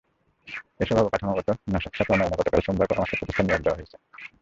এসব অবকাঠামোর নকশা প্রণয়নে গতকাল সোমবার পরামর্শক প্রতিষ্ঠান নিয়োগ দেওয়া হয়েছে।